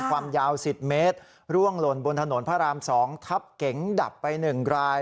ความยาว๑๐เมตรร่วงหล่นบนถนนพระราม๒ทับเก๋งดับไป๑ราย